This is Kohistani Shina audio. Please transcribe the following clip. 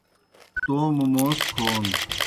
توموْ موس کھون